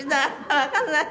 わからない！